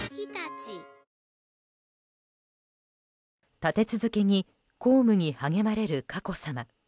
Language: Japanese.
立て続けに公務に励まれる佳子さま。